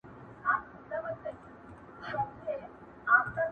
سیند بهیږي غاړي غاړي د زلمیو مستي غواړي!.